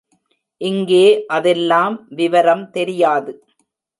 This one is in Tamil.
இங்கே அதெல்லாம் விவரம் தெரியாது.